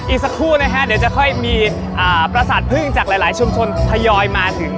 อีกสักครู่นะฮะเดี๋ยวจะค่อยมีประสาทพึ่งจากหลายชุมชนทยอยมาถึง